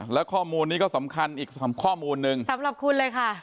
แล้วข้อมูลนี้ก็สำคัญอีกข้อมูลหนึ่งสำหรับคุณเลยค่ะ